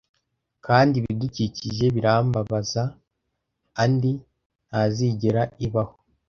kandi ibidukikije birambabazaandi ntizigera ibaho